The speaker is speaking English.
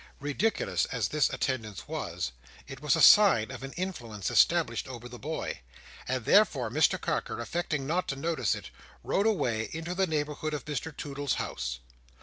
Ridiculous as this attendance was, it was a sign of an influence established over the boy, and therefore Mr Carker, affecting not to notice it, rode away into the neighbourhood of Mr Toodle's house.